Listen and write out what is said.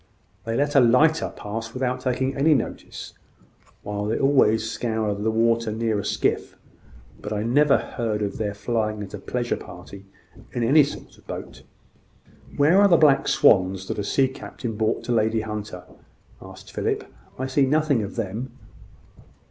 They let a lighter pass without taking any notice, while they always scour the water near a skiff; but I never heard of their flying at a pleasure party in any sort of boat." "Where are the black swans that a sea captain brought to Lady Hunter?" asked Philip. "I see nothing of them."